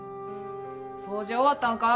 掃除終わったんか？